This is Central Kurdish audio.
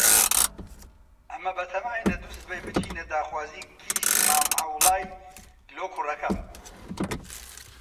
ئەمە بەتاماینە دووسبەی بچینە داخوازیی کیژی مام عەوڵای لۆ کوڕەکەم.